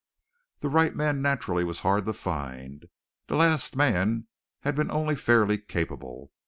The right man naturally was hard to find. The last man had been only fairly capable.